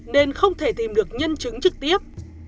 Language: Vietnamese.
nên không thể tìm được nhân chứng trực tiếp